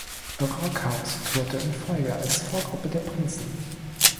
Rockhaus tourte in Folge als Vorgruppe der Prinzen.